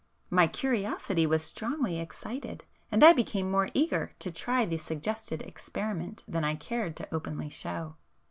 My curiosity was strongly excited, and I became more eager to try the suggested experiment than I cared to openly show.